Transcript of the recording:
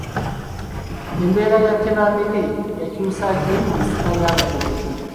Embeera ya Tebandeke yakyusa ki mu nsika y'Abateregga?